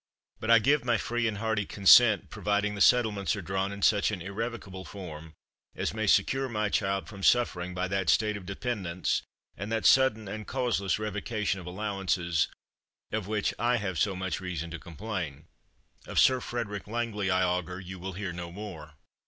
But I give my free and hearty consent, providing the settlements are drawn in such an irrevocable form as may secure my child from suffering by that state of dependence, and that sudden and causeless revocation of allowances, of which I have so much reason to complain. Of Sir Frederick Langley, I augur, you will hear no more.